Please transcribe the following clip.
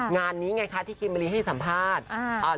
งานนี้ไงคะที่คิมมะลิให้สัมภาษณ์